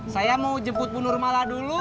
saya mau jemput bu nurmala dulu